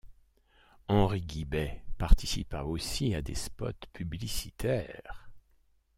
Henri Guybet participa aussi à des spots publicitaires.